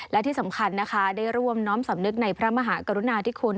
และที่สำคัญนะคะได้ร่วมน้อมสำนึกในพระมหากรุณาธิคุณ